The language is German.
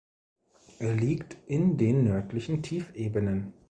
Er liegt in den nördlichen Tiefebenen.